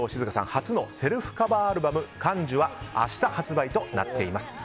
初のセルフカバーアルバム「感受」は明日発売となっています。